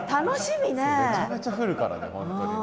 めちゃめちゃ降るからね